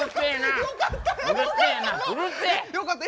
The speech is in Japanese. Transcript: よかったえ？